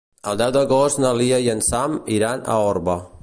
El deu d'agost na Lia i en Sam iran a Orba.